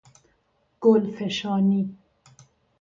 گلفشانی